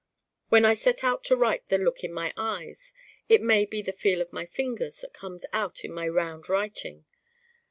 When I set out to write the Look in my Eyes it may be the Feel of my Fingers that comes out in my round writing.